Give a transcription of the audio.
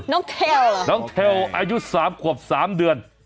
น้องเทลน้องเทลอายุ๓ควรสามเดือน